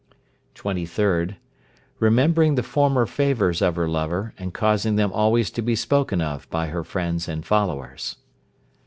23rd. Remembering the former favours of her lover, and causing them always to be spoken of by her friends and followers.